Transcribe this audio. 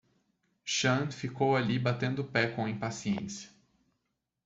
Sean ficou ali batendo o pé com impaciência.